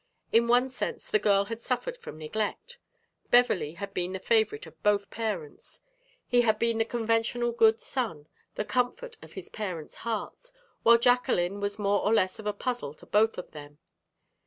In one sense, the girl had suffered from neglect. Beverley had been the favorite of both parents. He had been the conventional good son, the comfort of his parents' hearts, while Jacqueline was more or less of a puzzle to both of them.